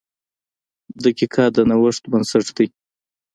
• دقیقه د نوښت بنسټ ده.